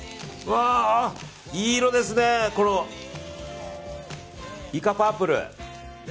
いい色ですね、このイカパープル。